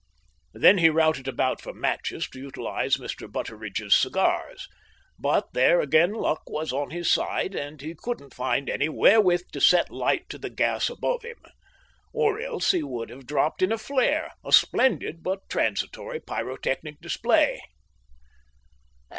Then he routed about for matches to utilise Mr. Butteridge's cigars; but here again luck was on his side, and he couldn't find any wherewith to set light to the gas above him. Or else he would have dropped in a flare, a splendid but transitory pyrotechnic display.